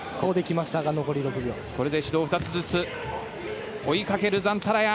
これで指導２つずつ追いかけるザンタラヤ。